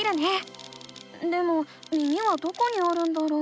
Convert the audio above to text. でも耳はどこにあるんだろう？